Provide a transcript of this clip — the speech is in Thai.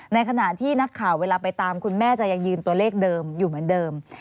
ในขณะที่นักข่าวเวลาไปตามคุณแม่จะยังยืนตัวเลขเดิมอยู่เหมือนเดิม